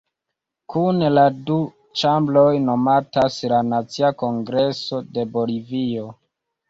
Kune la du ĉambroj nomatas la "Nacia Kongreso de Bolivio".